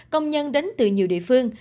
công nhân đến từ nhiều địa phương